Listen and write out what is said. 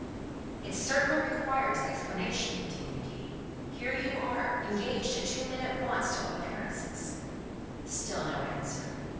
"It certainly requires explanation," continued he. "Here are you, engaged to two men at once to all appearances!" Still no answer.